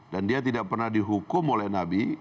dan dia tidak pernah dihukum oleh nabi